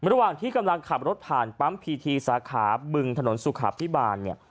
ระหว่างที่กำลังขับรถผ่านปั๊มพีทีสาขาบึงถนนสุขาพิบาลเนี่ย